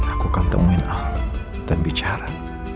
aku akan temuin ahok dan bicara